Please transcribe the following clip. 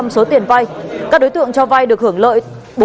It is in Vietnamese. số tiền vai các đối tượng cho vai được hưởng lợi bốn mươi một